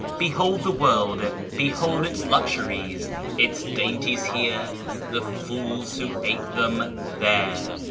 Behold the world ! Behold its luxuries ! Its dainties, here — the fools who ate them, there